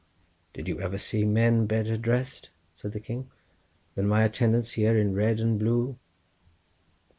"Did you ever see men better dressed?" said the king, "than my attendants here in red and blue?"